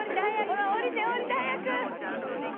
ほら降りて降りて早く！